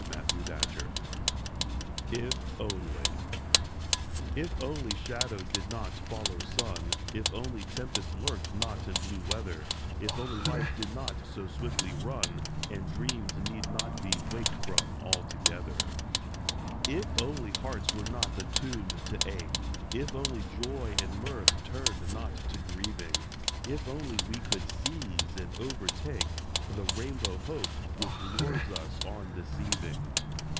120 IF ONLY IF ONLY IF only shadow did not follow sun, If only tempests lurked not in blue weather, If only life did not so swiftly run And dreams need not be waked from altogether. If only hearts were not attuned to ache, If only joy and mirth turned not to grieving, If only we could seize and overtake The rainbow Hope which lures us on deceiving